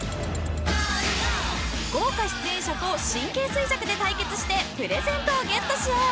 ［豪華出演者と神経衰弱で対決してプレゼントをゲットしよう！］